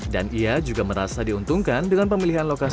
dan ia juga merasa diuntungkan dengan pemilihan lokasi